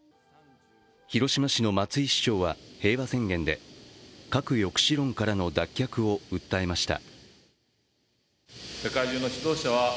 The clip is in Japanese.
広島市の松井市長は平和宣言で核抑止論からの脱却を訴えました。